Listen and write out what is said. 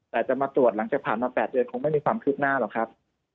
แต่จะมาตรวจหลังจากผ่านมา๘เดือนคงไม่มีความคืบหน้าหรอกครับ